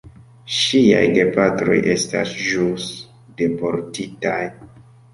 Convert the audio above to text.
Ŝiaj gepatroj estas ĵus deportitaj.